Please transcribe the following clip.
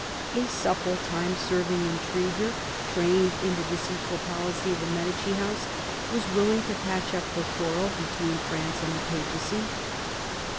a supple time serving intriguer, trained in the deceitful policy of the Medici House, was willing to patch up the quarrel between France and the Papacy.